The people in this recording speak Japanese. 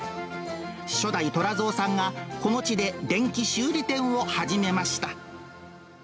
初代寅造さんが、この地で電気修理店を始めました。